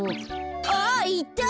あっいた。